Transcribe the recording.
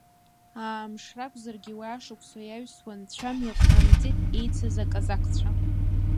Аамш ракәзаргьы уи аашықәса иаҩсуан, цәамҩак ҟарымҵеит еицыз аказақцәа.